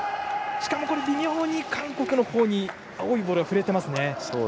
しかも微妙に韓国のほうに青いボールが触れていますね。